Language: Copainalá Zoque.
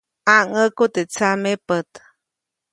ʼMaŋʼäku teʼ tsamepät.